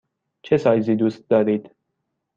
چه سایزی دوست دارید؟